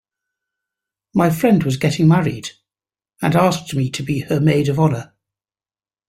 My friend was getting married and asked me to be her maid of honor.